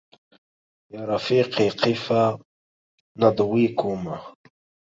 يا رفيقي قفا نضويكما